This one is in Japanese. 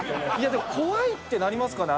でも怖いってなりますかね